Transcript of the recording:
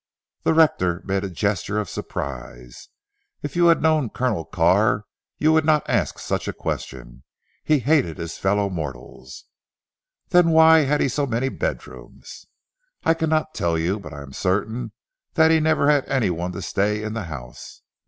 The rector made a gesture of surprise. "If you had known Colonel Carr you would not ask such a question. He hated his fellow mortals." "Then why had he so many bedrooms?" "I cannot tell you. But I am certain that he never had anyone to stay in the house.